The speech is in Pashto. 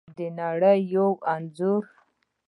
د نړۍ یو انځور